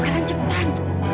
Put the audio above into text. yang sepupu banget